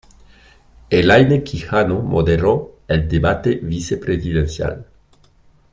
Elaine Quijano moderó el debate vice-presidencial.